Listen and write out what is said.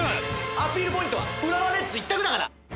アピールポイントは浦和レッズ一択だから。